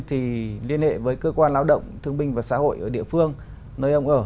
thì liên hệ với cơ quan lao động thương binh và xã hội ở địa phương nơi ông ở